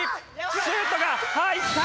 シュートが入った！